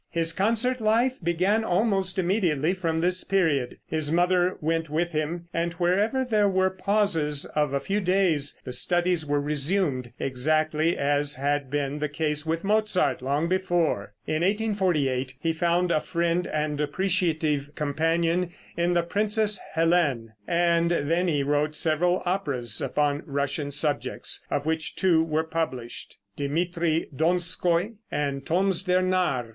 His concert life began almost immediately from this period. His mother went with him, and wherever there were pauses of a few days the studies were resumed, exactly as had been the case with Mozart, long before. In 1848 he found a friend and appreciative companion in the Princess Helene, and then he wrote several operas upon Russian subjects, of which two were published "Dimitri Donskoi" and "Toms der Narr."